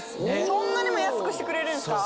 そんなにも安くしてくれるんですか？